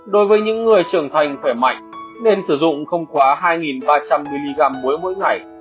đối với những người trưởng thành khỏe mạnh nên sử dụng không quá hai ba trăm linh mg muối mỗi ngày